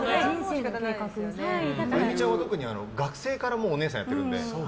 あゆみちゃんは特に学生からおねえさんやってるので。